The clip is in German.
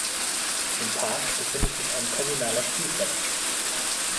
Im Park befindet sich ein kommunaler Spielplatz.